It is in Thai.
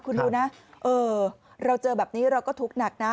คุณดูนะเออเราเจอแบบนี้เราก็ทุกข์หนักนะ